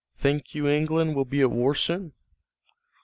Think you England will be at war soon?"